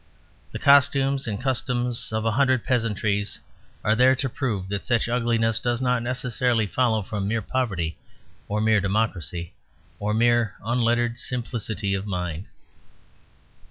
The costumes and customs of a hundred peasantries are there to prove that such ugliness does not necessarily follow from mere poverty, or mere democracy, or mere unlettered simplicity of mind.